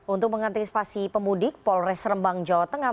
untuk mengantisipasi pemudik polres rembang jawa tengah